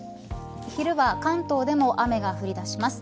昼は関東でも雨が降り出します。